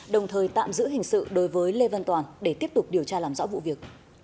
đồng thời tạm giữ hình sự đối với lê vân toàn để tiếp tục điều tra làm rõ vụ việc